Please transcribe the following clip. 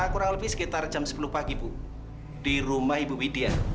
kurang lebih sekitar jam sepuluh pagi bu di rumah ibu widya